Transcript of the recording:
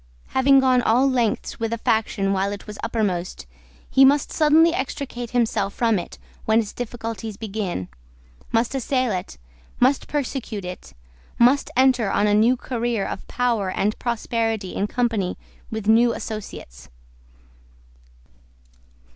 Having gone all lengths with a faction while it was uppermost, he must suddenly extricate himself from it when its difficulties begin, must assail it, must persecute it, must enter on a new career of power and prosperity in company with new associates.